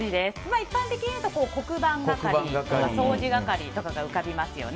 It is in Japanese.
一般的にいうと黒板係とか掃除係とかが浮かびますよね。